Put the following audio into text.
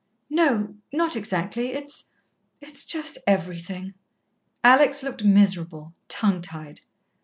"No, not exactly. It's it's just everything...." Alex looked miserable, tongue tied.